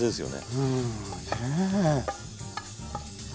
うんねえ。